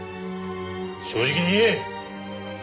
正直に言え！